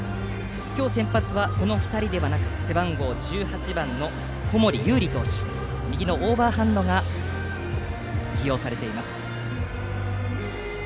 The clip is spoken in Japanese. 今日先発は、この２人ではなく背番号１８番の小森勇凛投手右のオーバーハンドが起用されています。